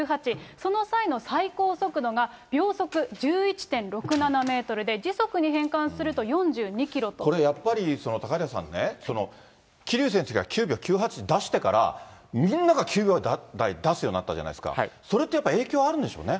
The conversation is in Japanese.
その際の最高速度が、秒速１１．６７メートルで、これやっぱり、高平さんね、桐生選手が９秒９８出してから、みんなが９秒台出すようになったじゃないですか、それってやっぱり影響あるんでしょうね。